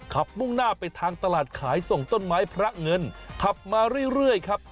มุ่งหน้าไปทางตลาดขายส่งต้นไม้พระเงินขับมาเรื่อยครับ